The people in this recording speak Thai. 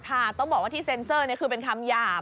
ต้องบอกว่าที่เซ็นเซอร์นี่คือเป็นคำหยาบ